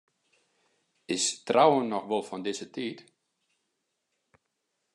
Is trouwen noch wol fan dizze tiid?